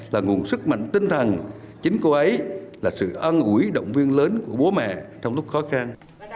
là nguồn sức mạnh tinh thần chính cô ấy là sự ân ủi động viên lớn của bố mẹ trong lúc khó khăn